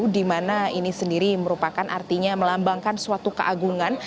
di mana ini sendiri merupakan artinya melambangkan suatu keagungan